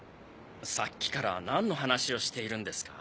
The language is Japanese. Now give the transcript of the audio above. さっきから何の話をしているんですか？